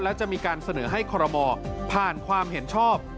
และจะมีการเสนอให้คอรมอผ่านความเห็นชอบ